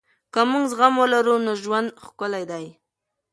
که موږ زغم ولرو نو ژوند ښکلی دی.